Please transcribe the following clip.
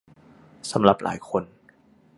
สำหรับหลายคน